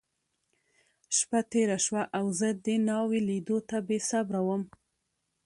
شپه تېره شوه، او زه د ناوې لیدو ته بېصبره وم.